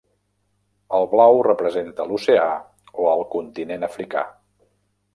El blau representa l'oceà o el continent africà.